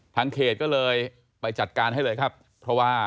ทางเขตก็เลยไปจัดการให้เลยครับเพราะว่า